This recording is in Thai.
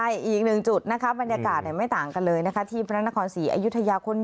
อีก๑จุดบรรยากาศไม่ต่างกันเลยทีมพระนครศรีอายุทยาคนเยอะเหมือนกัน